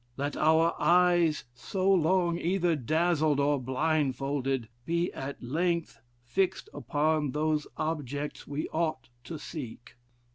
Let our eyes, so long either dazzled or blindfolded, be at length fixed upon those objects we ought to seek.